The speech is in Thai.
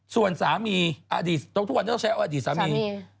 ส่วนสามีทุกวันจะใช้อดีตสามี